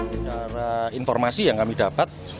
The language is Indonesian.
secara informasi yang kami dapat